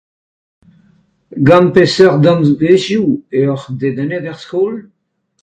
Gant peseurt danvezioù e oac'h dedennet er skol ?